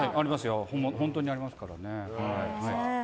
本当にありますからね。